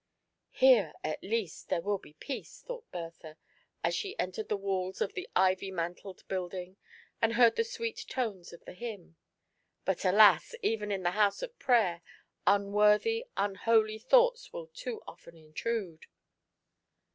"Here, afc least, there will be peace," thought Berth% as sbe entered the walls of the ivy mantled building, and beard the sweet tones of the hymn. But, alas ! even in the house of prayer unworthy, unholy thoughts will too often intrude.